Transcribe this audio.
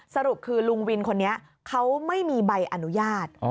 สรุปคือลุงวินคนนี้เขาไม่มีใบอนุญาต